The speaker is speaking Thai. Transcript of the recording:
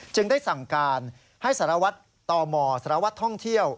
ได้สั่งการให้สารวัตรตมสารวัตรท่องเที่ยว